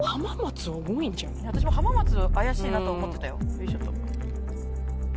私も浜松怪しいなと思ってたよ。